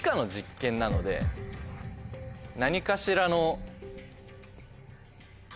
何かしらの。